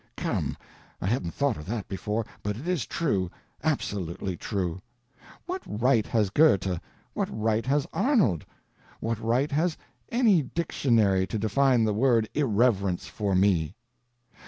Come, I hadn't thought of that before, but it is true, absolutely true. What right has Goethe, what right has Arnold, what right has any dictionary, to define the word Irreverence for me?